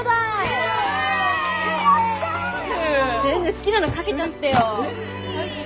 好きなのかけちゃってよ。